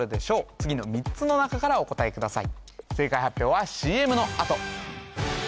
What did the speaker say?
次の３つの中からお答えください